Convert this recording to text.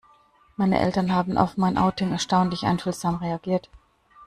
Meine Eltern haben auf mein Outing erstaunlich einfühlsam reagiert.